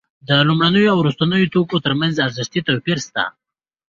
د لومړنیو او وروستیو توکو ترمنځ ارزښتي توپیر شته